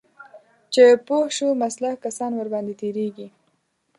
چې پوه شو مسلح کسان ورباندې تیریږي